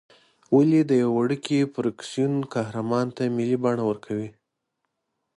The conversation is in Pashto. ولې د یوه وړوکي فرکسیون قهرمان ته ملي بڼه ورکوې.